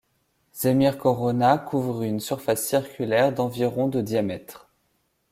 Zemire Corona couvre une surface circulaire d'environ de diamètre.